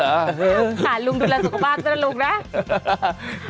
ลุงดูแลสุขบ้างนะลุง